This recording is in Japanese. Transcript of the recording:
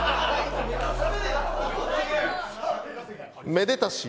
めでたし。